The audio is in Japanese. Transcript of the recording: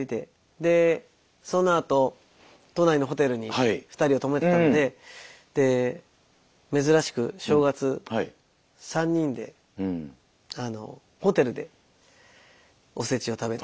でそのあと都内のホテルに２人を泊めてたのでで珍しく正月３人でホテルでおせちを食べたりとかして過ごせて。